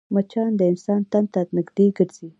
مچان د انسان تن ته نږدې ګرځي